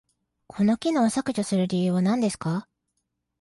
この機能を削除する理由は何ですか？